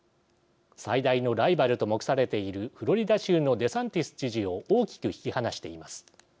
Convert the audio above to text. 最大のライバルと目されているフロリダ州のデサンティス知事を大きく引き離しています。